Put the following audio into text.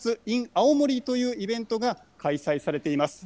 青森というイベントが開催されています。